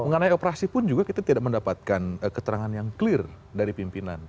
mengenai operasi pun juga kita tidak mendapatkan keterangan yang clear dari pimpinan